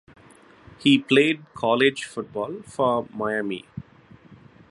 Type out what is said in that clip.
He played college football for Miami.